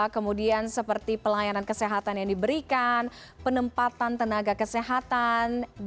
kemudian seperti pelayanan kesehatan yang diperlukan